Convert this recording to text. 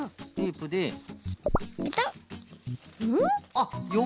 あっよ